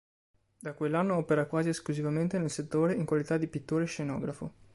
Da quell'anno opera quasi esclusivamente nel settore in qualità di “pittore scenografo”.